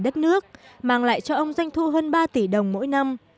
đất nước mang lại cho ông doanh thu hơn ba tỷ đồng mỗi năm